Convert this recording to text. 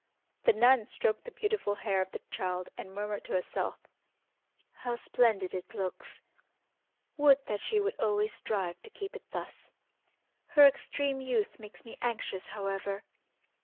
The nun stroked the beautiful hair of the child and murmured to herself, "How splendid it looks! Would that she would always strive to keep it thus. Her extreme youth makes me anxious, however.